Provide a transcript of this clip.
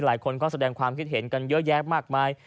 หลายคนก็แสดงความคิดเห็นกันเยอะแยะมากมาย